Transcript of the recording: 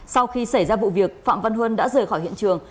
sau khi xảy ra vụ việc phạm văn huân đã rời khỏi hiện trường